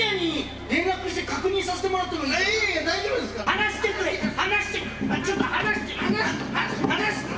離してくれ、離してくれ。